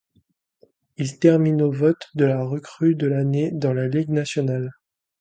Il termine au vote de la recrue de l'année dans la Ligue nationale.